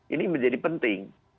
ini menjadi penting